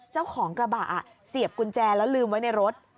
เจ้าของกระบะเสียบกุญแจแล้วลืมไว้ในรถ